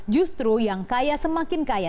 justru yang kaya semakin kaya